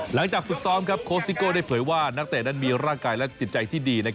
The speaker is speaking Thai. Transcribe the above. หลังจากฝึกซ้อมโค้ซิโก้ได้เผยว่านักเตะนั้นมีร่างกายและจิตใจที่ดี